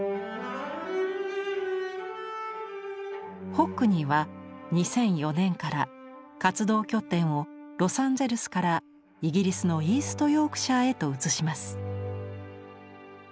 ホックニーは２００４年から活動拠点をロサンゼルスからイギリスのイースト・ヨークシャーへと移します。